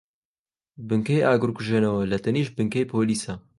بنکەی ئاگرکوژێنەوە لەتەنیشت بنکەی پۆلیسە.